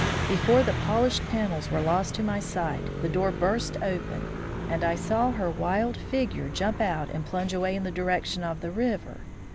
Before the polished panels were lost to my sight, the door burst open and I saw her wild figure jump out and plunge away in the direction of the river.